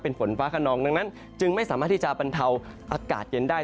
เป็นฝนฟ้าขนองดังนั้นจึงไม่สามารถที่จะบรรเทาอากาศเย็นได้